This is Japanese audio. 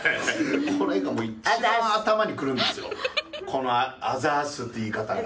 この「あざーす」って言い方が。